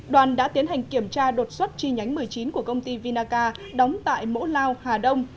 đoàn đã tiến hành kiểm tra đột xuất chi nhánh một mươi chín của công ty vinaca đóng tại mẫu lao hà đông